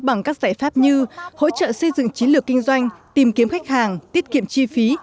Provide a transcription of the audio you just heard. bằng các giải pháp như hỗ trợ xây dựng chiến lược kinh doanh tìm kiếm khách hàng tiết kiệm chi phí